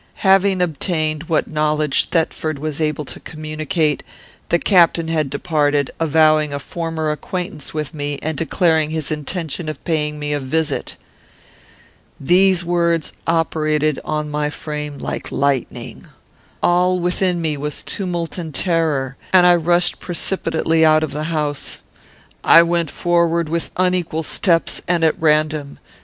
Having obtained what knowledge Thetford was able to communicate, the captain had departed, avowing a former acquaintance with me, and declaring his intention of paying me a visit. "These words operated on my frame like lightning. All within me was tumult and terror, and I rushed precipitately out of the house. I went forward with unequal steps, and at random.